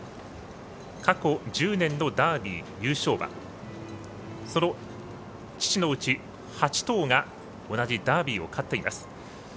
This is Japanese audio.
過去１０年のダービー優勝馬その父のうち８頭が同じダービーを勝っています。